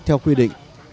theo quy định